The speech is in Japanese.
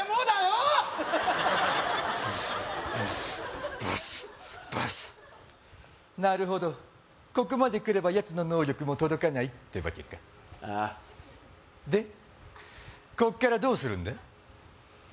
バサッバサッバサッなるほどここまで来ればやつの能力も届かないってわけかああでここからどうするんだ？